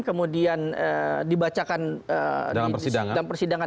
kemudian dibacakan dalam persidangan